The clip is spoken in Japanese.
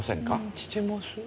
してます。